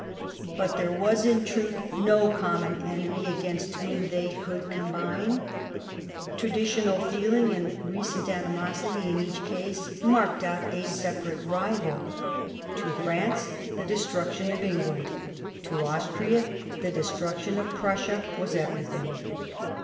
But there was in truth no common enemy against whom they could combine. Traditional feeling and recent animosity in each case marked out a separate rival. To France the destruction of England, to Austria the destruction of Prussia was everything.